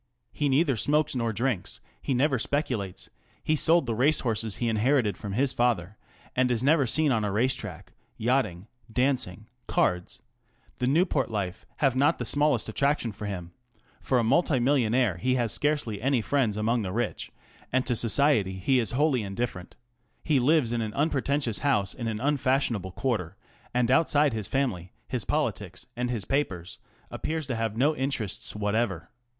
He neither smokes nor drinks ; he never speculates ; he sold the racehorses he inherited from his father, and is never seen on a race track ; yachting, dancing, cards, the Newport life, have not the smallest attrac tion for him ; for a multi millionaire he has scarcely any friends among the rich, and to "Society" he is wholly indifferent ; he lives in an unpretentious house in an unfashionable quarter, and outside his family, his politics, and his papers, appears to have no interests whatever.